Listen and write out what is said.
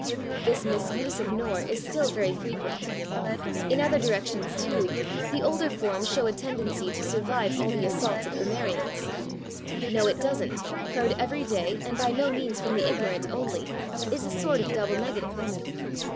This misuse of /nor/ is still very frequent. In other directions, too, the older forms show a tendency to survive all the assaults of grammarians. "/No/ it /doesn't/," heard every day and by no means from the ignorant only, is a sort of double negative.